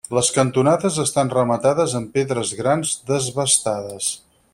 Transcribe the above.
Les cantonades estan rematades amb pedres grans desbastades.